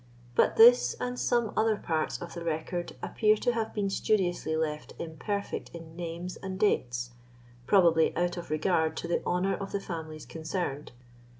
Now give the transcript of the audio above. But this and some other parts of the record appear to have been studiously left imperfect in names and dates, probably out of regard to the honour of the families concerned.